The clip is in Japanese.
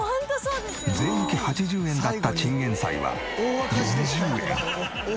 税抜き８０円だったチンゲンサイは４０円に。